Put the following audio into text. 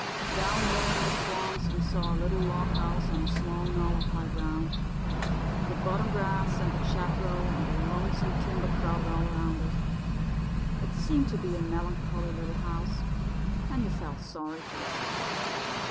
Down there in the swamps we saw a little log house on a small knoll of high ground. The bottom grass and the chaparral and the lonesome timber crowded all around it. It seemed to be a melancholy little house, and you felt sorry for it.